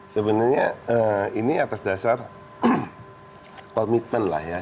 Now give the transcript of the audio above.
sebenarnya ini atas dasar komitmen lah ya